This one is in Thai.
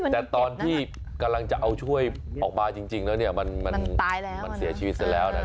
แต่ตอนที่กำลังจะเอาช่วยออกมาจริงแล้วเนี่ยมันเสียชีวิตเสร็จแล้วนะ